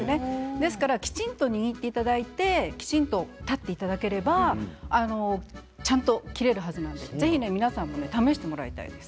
ですから、きちんと握っていただいてきちんと立っていただければちゃんと切れるはずなのでぜひ皆さんも試してもらいたいです。